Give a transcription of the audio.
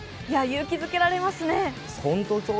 勇気づけられますね。